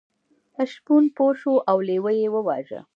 شپون پوه شو او لیوه یې وواژه.